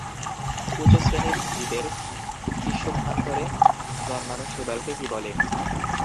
উচ্চ শ্রেণির জীবের টিস্যুভান্তরে জন্মানো শৈবালকে কী বলে?